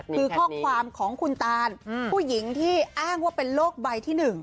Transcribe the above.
คือข้อความของคุณตานผู้หญิงที่อ้างว่าเป็นโรคใบที่๑